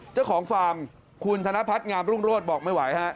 เจ้าของฟาร์มคุณธนพัฒน์งามรุ่งโรศบอกไม่ไหวฮะ